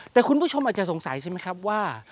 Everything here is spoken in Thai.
แต่คุณผู้ชมอาจจะสงสัยใช่ไหมครับว่า